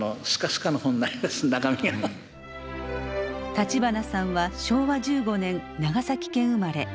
立花さんは昭和１５年長崎県生まれ。